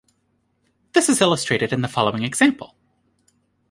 This is illustrated in the following example.